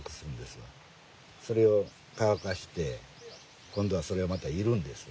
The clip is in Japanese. それを乾かして今度はそれをまた煎るんですわ。